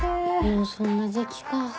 もうそんな時期か。